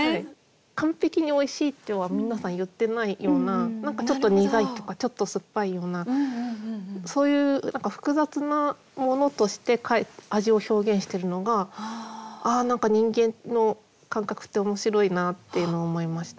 完璧においしいとは皆さん言ってないような何かちょっと苦いとかちょっと酸っぱいようなそういう複雑なものとして味を表現してるのがああ何か人間の感覚って面白いなっていうのを思いました。